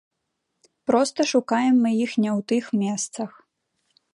Проста шукаем мы іх не ў тых месцах.